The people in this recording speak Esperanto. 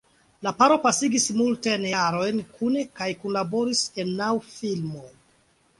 La paro pasigis multajn jarojn kune kaj kunlaboris en naŭ filmoj.